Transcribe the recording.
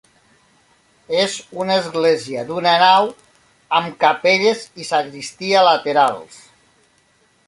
És una església d'una nau amb capelles i sagristia laterals.